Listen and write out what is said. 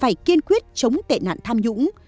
phải kiên quyết chống tệ nạn tham nhũng